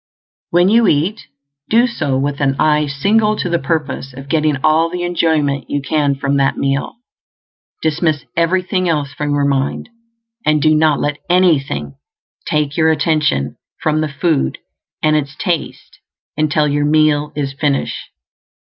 When you eat, do so with an eye single to the purpose of getting all the enjoyment you can from that meal; dismiss everything else from your mind, and do not let anything take your attention from the food and its taste until your meal is finished.